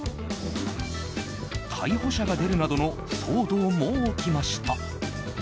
逮捕者が出るなどの騒動も起きました。